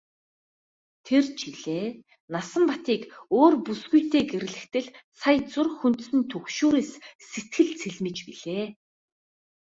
Тэр жилээ Насанбатыг өөр бүсгүйтэй гэрлэхэд л сая зүрх хөндсөн түгшүүрээс сэтгэл цэлмэж билээ.